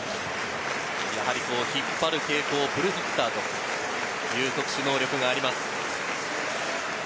引っ張る傾向、プルヒッターという特殊能力があります。